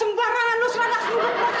sembar nana lu selanak duduk loke orang lu